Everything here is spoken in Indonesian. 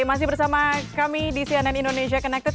masih bersama kami di cnn indonesia connected